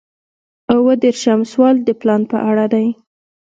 اووه دېرشم سوال د پلان په اړه دی.